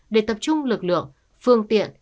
để tập trung lực lượng phương tiện